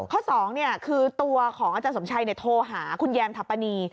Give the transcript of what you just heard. ข้อ๒คือตัวของอาจารย์สมชัยโทรหาคุณแยมถัปปณี